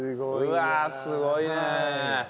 うわすごいね。